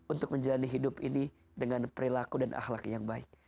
untuk menjalani hidup ini dengan perilaku dan akhlak yang baik